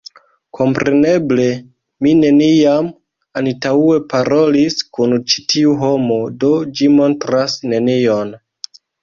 Kompreneble, mi neniam antaŭe parolis kun ĉi tiu homo do ĝi montras nenion